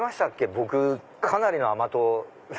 僕かなりの甘党で。